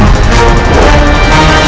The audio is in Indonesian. aku akan menang